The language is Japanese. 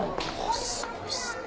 すごいっすね。